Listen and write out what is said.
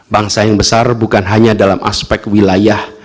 bangsa yang besar bukan hanya dalam aspek wilayah